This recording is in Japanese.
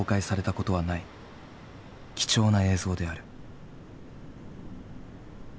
貴重な映像である。